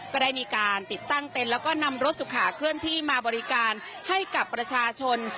ก็ได้มีการติดตั้งเต็นต์แล้วก็นำรถสุขาเคลื่อนที่มาบริการให้กับประชาชน